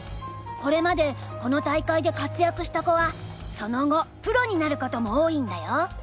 これまでこの大会で活躍した子はその後プロになることも多いんだよ。